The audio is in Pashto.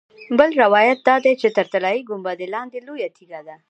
بل روایت دا دی چې تر طلایي ګنبدې لاندې لویه تیږه ده.